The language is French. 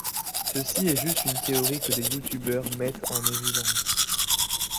Ceci est juste une théorie que des Youtubeurs mettent en évidence.